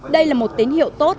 đây là một tín hiệu tốt